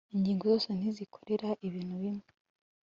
ingingo zose ntizikore ibintu bimwe